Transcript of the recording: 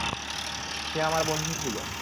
সে আমার বন্ধু ছিল।